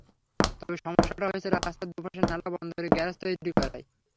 তবে সমস্যাটা হয়েছে রাস্তার দুপাশের নালা বন্ধ করে গ্যারেজ তৈরি করায়।